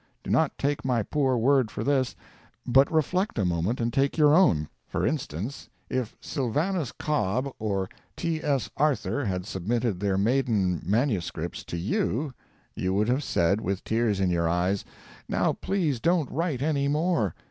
Do not take my poor word for this, but reflect a moment and take your own. For instance, if Sylvanus Cobb or T. S. Arthur had submitted their maiden MSS. to you, you would have said, with tears in your eyes, "Now please don't write any more!"